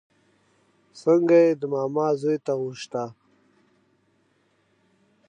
څانګه يې د ماما زوی ته غوښته